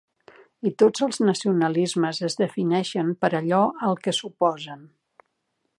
I tots els nacionalismes es defineixen per allò al que s'oposen.